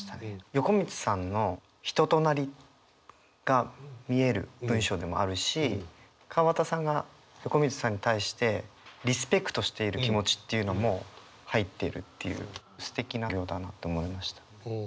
横光さんの人となりが見える文章でもあるし川端さんが横光さんに対してリスペクトしている気持ちっていうのも入ってるっていうすてきな行だなと思いました。